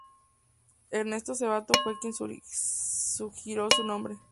Ernesto Sabato fue quien sugirió su nombre.